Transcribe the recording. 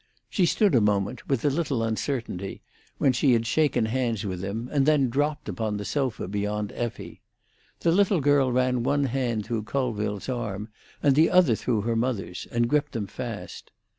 She stood a moment, with a little uncertainty, when she had shaken hands with him, and then dropped upon the sofa beyond Effie. The little girl ran one hand through Colville's arm, and the other through her mother's, and gripped them fast.